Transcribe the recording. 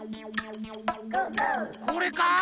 これか？